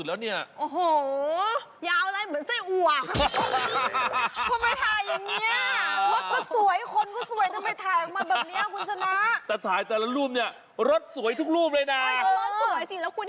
ได้มั้ยคงมีได้มั้ย